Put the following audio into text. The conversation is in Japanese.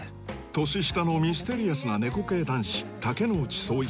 年下のミステリアスな猫系男子竹之内宗一